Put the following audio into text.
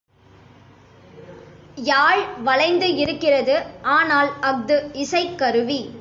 யாழ் வளைந்து இருக்கிறது ஆனால் அஃது இசைக்கருவி.